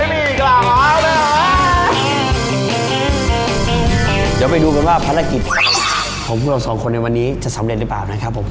แบบว่านั้นแบบว่าจะไปดูกันว่าภารกิจของพวกเรา๒คนในวันนี้จะสำเร็จหรือเปล่านะครับผม